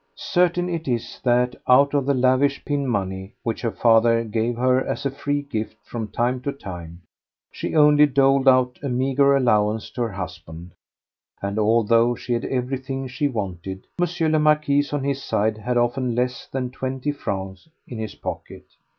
Certain it is that out of the lavish pin money which her father gave her as a free gift from time to time, she only doled out a meagre allowance to her husband, and although she had everything she wanted, M. le Marquis on his side had often less than twenty francs in his pocket.